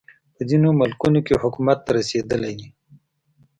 په ځینو ملکونو کې حکومت ته رسېدلی دی.